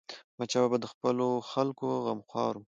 احمدشاه بابا د خپلو خلکو غمخور و.